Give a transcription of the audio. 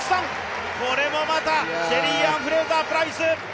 これもまた、シェリーアン・フレイザー・プライス。